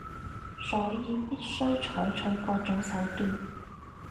所以必須採取嗰種手段